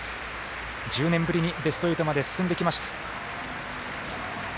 １０年ぶりにベスト８まで進んできました。